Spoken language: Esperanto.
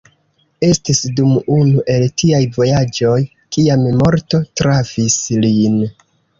Estis dum unu el tiaj vojaĝoj kiam morto trafis lin.